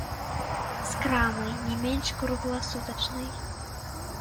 З крамай, не менш кругласутачнай.